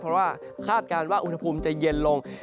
เพราะว่าคาดการณ์ว่าอุณหภูมิจะเย็นลง